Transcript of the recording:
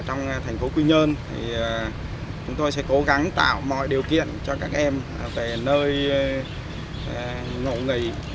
trong thành phố quy nhơn thì chúng tôi sẽ cố gắng tạo mọi điều kiện cho các em về nơi ngộ nghỉ